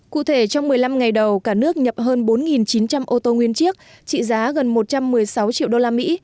cụ thể trong một mươi năm ngày đầu cả nước nhập hơn bốn chín trăm linh ô tô nguyên chiếc trị giá gần một trăm một mươi sáu triệu đô la mỹ